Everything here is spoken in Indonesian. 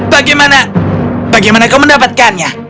bagaimana bagaimana kau mendapatkannya